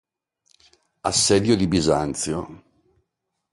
Assedio di Bisanzio